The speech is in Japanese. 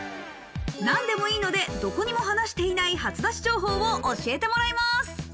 何でもいいので、どこにも話していない初出し情報を教えてもらいます。